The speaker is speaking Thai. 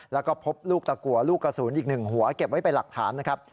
แล้วก็พบลูกตะกัวลูกกระสุนอีกหนึ่งหัวเก็บไว้เป็นหลักฐานนะครับ